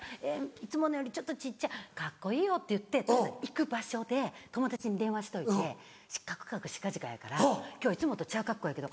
「いつものより小っちゃい」「カッコいいよ」って言って行く場所で友達に電話しといて「かくかくしかじかやから今日いつもとちゃう格好やけど」。